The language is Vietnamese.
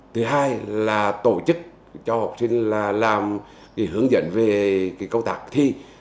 thứ hai là tổ chức cho học sinh làm hướng dẫn về câu tạc thi